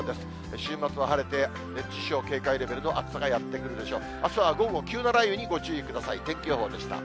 週末は晴れて、熱中症警戒レベルの暑さがやって来るでしょう。